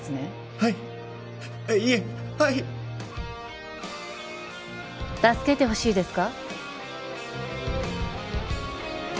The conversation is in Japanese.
はいいえはい助けてほしいですか？